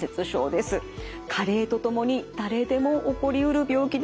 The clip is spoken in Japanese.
加齢とともに誰でも起こりうる病気です。